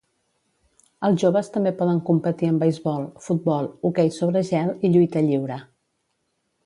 Els joves també poden competir en beisbol, futbol, hoquei sobre gel i lluita lliure.